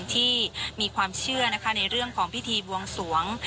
ที่มีความเชื่อนะคะในเรื่องของพิธีบวงสวง